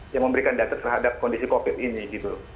yang memberikan data terhadap kondisi covid ini gitu